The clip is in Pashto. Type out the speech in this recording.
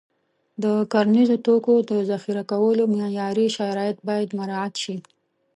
د کرنیزو توکو د ذخیره کولو معیاري شرایط باید مراعت شي.